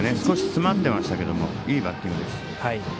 少し詰まってましたけどいいバッティングです。